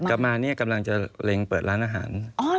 กลับมาเนี่ยกำลังจะเล็งเปิดร้านอาหาร